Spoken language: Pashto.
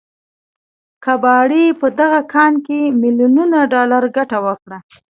کباړي په دغه کان کې ميليونونه ډالر ګټه وكړه.